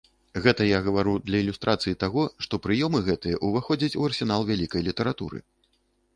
Гэта я гавару для ілюстрацыі таго, што прыёмы гэтыя ўваходзяць у арсенал вялікай літаратуры.